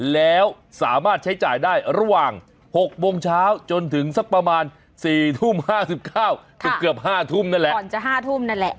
แล้วสามารถใช้จ่ายได้ระหว่าง๖โมงเช้าจนถึงสักประมาณ๔ทุ่ม๕๙ก็เกือบ๕ทุ่มนั่นแหละ